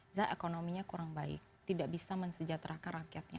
misalnya ekonominya kurang baik tidak bisa mensejahterakan rakyatnya